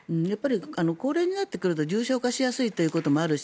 高齢になってくると重症化しやすいということもあるし